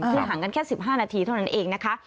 ห่างกันแค่๑๕นาทีเท่านั้นเองนะคะ